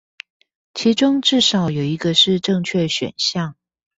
其中至少有一個是正確選項